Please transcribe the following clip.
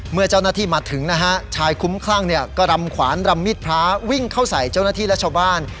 เมื่อเจ้าหน้าที่มาถึงนะฮะชายคุ้มคลั่งเนี่ยก็รำขวานรำมิดพระวิ่งเข้าใส่เจ้าหน้าที่และชาวบ้าน